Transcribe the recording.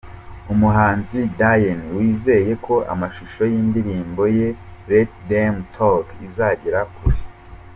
Umuhanzi Diyen wizeye ko amashusho y'indirimbo ye Let them talk izagera kure .